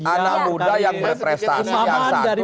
anak muda yang berprestasi yang santun yang baik